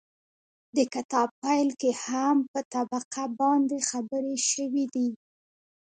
د کتاب پيل کې هم په طبقه باندې خبرې شوي دي